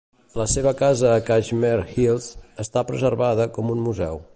La seva casa a Cashmere Hills està preservada com un museu.